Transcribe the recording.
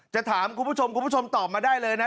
ถามคุณผู้ชมคุณผู้ชมตอบมาได้เลยนะ